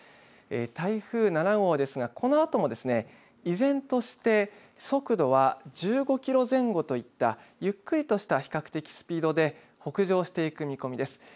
台風７号ですがこのあとも依然として速度は１５キロ前後といったゆっくりとした比較的スピードで北上していく見込みです。